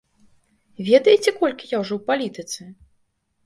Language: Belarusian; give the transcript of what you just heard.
Ведаеце, колькі я ўжо ў палітыцы?!